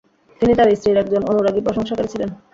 তিনি তার স্ত্রীর একজন অনুরাগী প্রশংসাকারী ছিলেন।